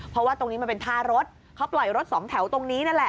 เพราะว่าตรงนี้มันเป็นท่ารถเขาปล่อยรถสองแถวตรงนี้นั่นแหละ